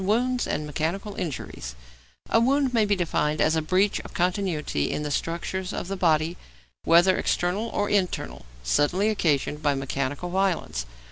X. WOUNDS AND MECHANICAL INJURIES A wound may be defined as a 'breach of continuity in the structures of the body, whether external or internal, suddenly occasioned by mechanical violence.'